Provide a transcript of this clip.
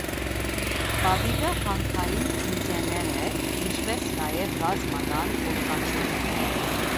Պապիկը հանքային ինժեներ է, ինչպես նաև ռազմական օդաչու։